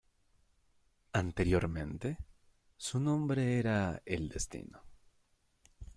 Anteriormente, su nombre era El Destino.